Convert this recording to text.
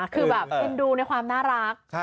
คือแบบเอ็นดูในความน่ารัก